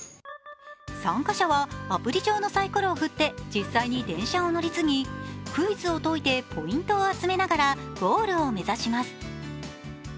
参加者は、アプリ上のさいころを振って実際に電車を乗り継ぎ、クイズを解いてポイントを集めながらゴールを目指します。